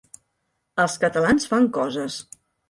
Els catalans fan coses.